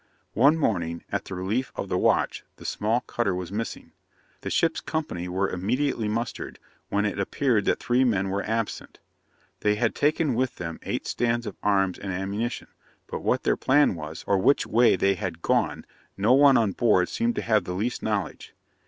One morning, at the relief of the watch, the small cutter was missing. The ship's company were immediately mustered, when it appeared that three men were absent. They had taken with them eight stand of arms and ammunition; but what their plan was, or which way they had gone, no one on board seemed to have the least knowledge.